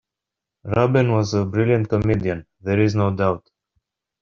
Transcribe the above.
Robin was a brilliant comedian-there is no doubt.